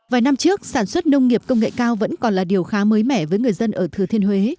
vài năm trước sản xuất nông nghiệp công nghệ cao vẫn còn là điều khá mới mẻ với người dân ở thừa thiên huế